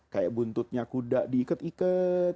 kayak buntutnya kuda diikat ikat